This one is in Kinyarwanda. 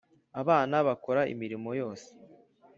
abana bakora imirimo yose